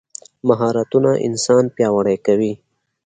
مهارتونه انسان پیاوړی کوي.